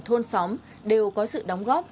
thôn xóm đều có sự đóng góp